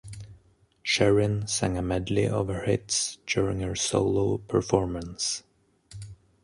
Sheryn sang a medley of her hits during her solo performance.